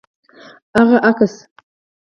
هغه انځور،